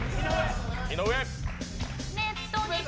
井上。